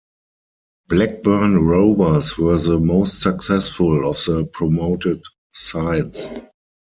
Blackburn Rovers were the most successful of the promoted sides.